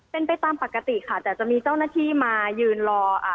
เป็นไปตามปกติค่ะแต่จะมีเจ้าหน้าที่มายืนรออ่า